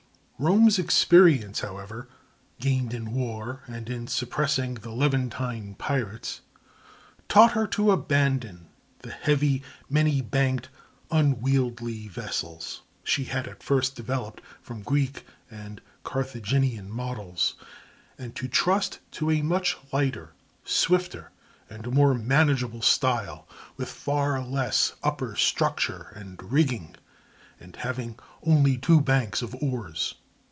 Rome's experience, however, gained in war and in suppressing the Levantine pirates, taught her to abandon the heavy, many banked, unwieldy vessels she had at first developed from Greek and Carthaginian models, and to trust to a much lighter, swifter, and more manageable style, with far less upper structure and rigging, and having only two banks of oars.